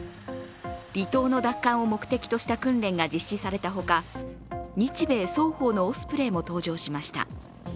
離島の奪還を目的とした訓練が実施されたほか日米双方のオスプレイも登場しました。